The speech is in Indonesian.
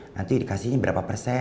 nanti dikasihnya berapa persen